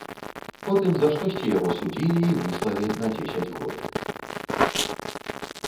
Потым за штосьці яго судзілі і выслалі на дзесяць год.